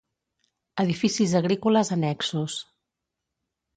Edificis agrícoles annexos.